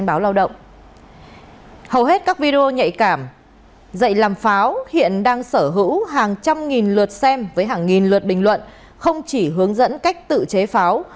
bình luận không chỉ hướng dẫn cách tự chế pháo